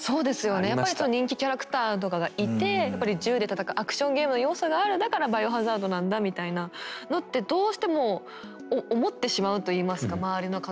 やっぱりその人気キャラクターとかがいてやっぱり銃で戦うアクションゲームの要素があるだから「バイオハザード」なんだみたいなのってどうしても思ってしまうといいますか周りの方も。